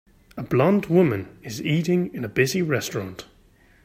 A blond woman is eating in a busy restaurant